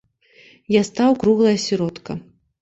Я стаў круглая сіротка.